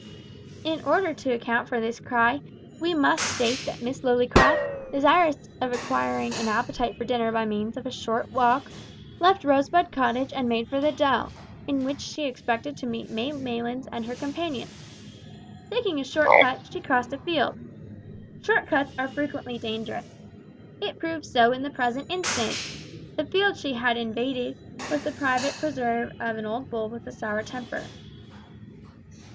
In order to account for this cry, we must state that Miss Lillycrop, desirous of acquiring an appetite for dinner by means of a short walk, left Rosebud Cottage and made for the dell, in which she expected to meet May Maylands and her companions. Taking a short cut, she crossed a field. Short cuts are frequently dangerous. It proved so in the present instance. The field she had invaded was the private preserve of an old bull with a sour temper.